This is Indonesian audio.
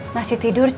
masih tidur cu